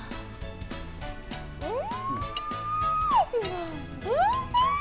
うん！